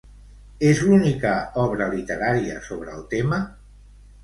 És l'única obra literària sobre el tema?